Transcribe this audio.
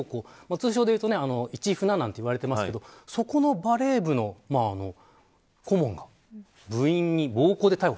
通称でいうと市船なんて言われてますけどそこのバレー部の顧問が部員に暴行で逮捕。